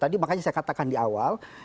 tadi makanya saya katakan di awal